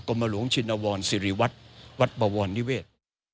กรมหลวงชินวรสิริวัฒน์วัดบวลนิเวศ